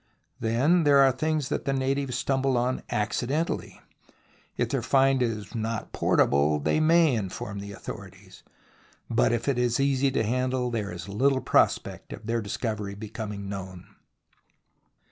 Then there are things that the natives stumble on accidentally. If their find is not portable, they THE ROMANCE OF EXCAVATION 21 may inform the authorities, but if it is easy to handle, there is Uttle prospect of their discovery becoming known.